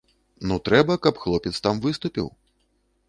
Ну трэба, каб хлопец там выступіў.